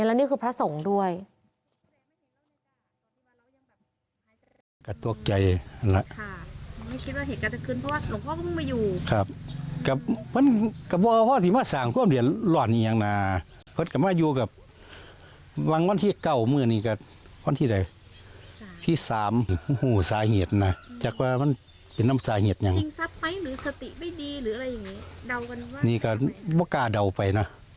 และนี่คือพระสงฆ์ด้วย